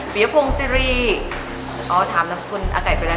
บินโงงซีรีส์อ๋อถามนังฝนอาไก่ไปแล้ว